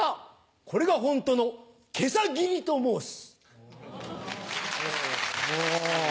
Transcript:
これが本当のけさ斬りと申す。